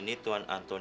siapa yang akan melihat